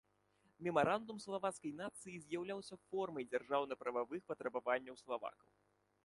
Мемарандум славацкай нацыі з'яўляўся формай дзяржаўна-прававых патрабаванняў славакаў.